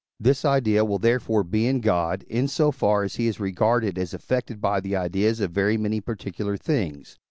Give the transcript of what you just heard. this idea will therefore be in God, in so far as he is regarded as affected by the ideas of very many particular things.